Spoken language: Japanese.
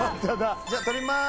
じゃあ撮ります。